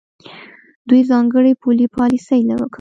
دوی ځانګړې پولي پالیسۍ کاروي.